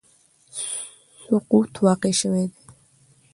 سقوط واقع شوی دی